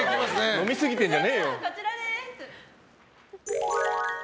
飲みすぎてんじゃねえよ。